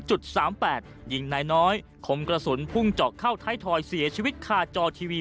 ยิงนายน้อยคมกระสุนพุ่งเจาะเข้าท้ายทอยเสียชีวิตคาจอทีวี